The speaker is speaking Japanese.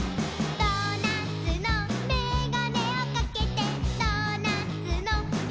「ドーナツのメガネをかけてドーナツのＵＦＯみたぞ」